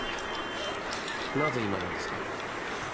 なぜ今なんですか？